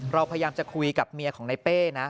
เราพยายามจะคุยกับเมียของในเป้นะ